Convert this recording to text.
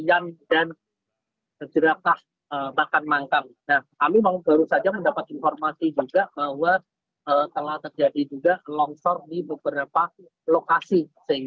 ada beberapa kawasan di sekitar kawasan ngalian ini sebuah perumahan terkena longsor sehingga mengakibatkan warga ini terlokalisir